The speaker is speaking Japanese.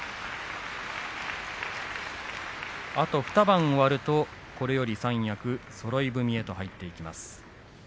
あと２番終わるとこれより三役そろい踏みへと入っていきます。